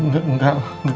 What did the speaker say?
enggak enggak enggak